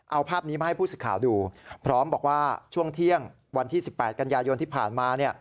เอาภาพนี้มาให้ผู้สิทธิ์ข่าวดูพร้อมบอกว่าช่วงเที่ยงวันที่๑๘กันยายนที่ผ่านมา